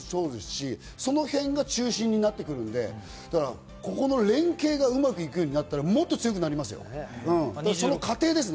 この世代と三笘選手も当然そうですし、その辺が中心になってくるんで、ここの連係がうまくいくようになったらもっと強くなりますよ。